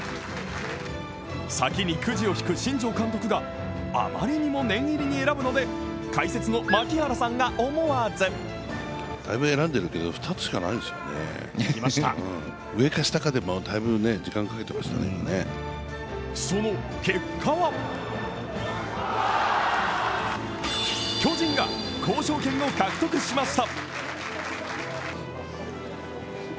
先にくじを引く新庄監督があまりにも念入りに選ぶので、解説の槙原さんが思わずその結果は巨人が交渉権を獲得しました。